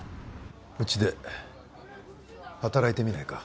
うちで働いてみないか？